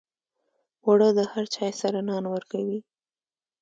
اوړه د هر چای سره نان ورکوي